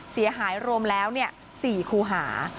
เสียหายรวมแล้ว๔คูหา